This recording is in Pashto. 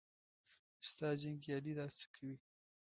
ستا جنګیالي دا څه کوي.